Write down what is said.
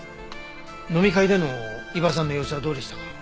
飲み会での伊庭さんの様子はどうでしたか？